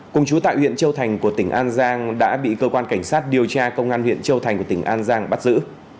cùng chú tại huyện châu thành của tỉnh an giang đã bị cơ quan cảnh sát điều tra công an huyện châu thành của tỉnh an giang bắt giữ